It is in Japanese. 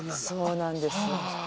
そうなんです。